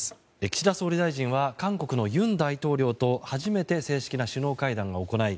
岸田総理大臣は韓国の尹大統領と初めて正式な首脳会談を行い